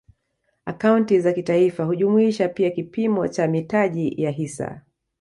Akaunti za kitaifa hujumuisha pia kipimo cha mitaji ya hisa